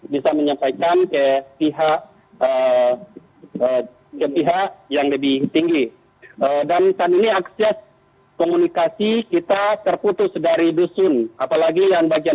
bisa menyampaikan ke pihak yang lebih tinggi dan saat ini akses komunikasi kita terputus dari dusun apalagi yang bagian